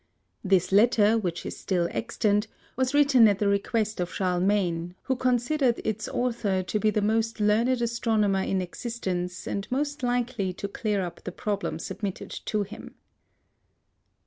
This letter, which is still extant, was written at the request of Charlemagne, who considered its author to be the most learned astronomer in existence and most likely to clear up the problem submitted to him.